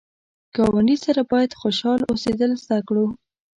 ګاونډي سره باید خوشحال اوسېدل زده کړو